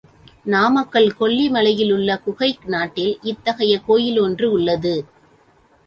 நாமக்கல் கொல்லி மலையிலுள்ள குகை நாட்டில் இத்தகைய கோயில் ஒன்று உள்ளது.